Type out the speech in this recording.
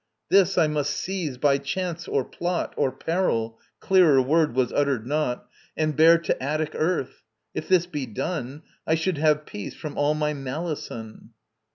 This I must seize by chance or plot Or peril clearer word was uttered not And bear to Attic earth. If this be done, I should have peace from all my malison.